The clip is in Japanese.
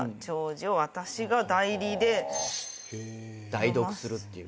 代読するっていう。